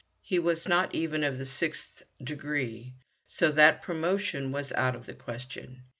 He was not even of the sixth degree, so that promotion was out of the question.